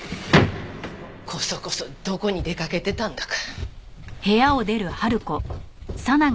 こそこそどこに出かけてたんだか。